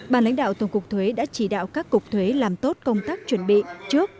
bàn lãnh đạo tổng cục thuế đã chỉ đạo các cục thuế làm tốt công tác chuẩn bị trước